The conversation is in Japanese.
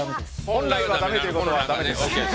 本来はだめということはだめです。